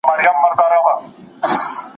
ماشیني ماډلونه ولې پښتو متن په سم ډول نه لولي؟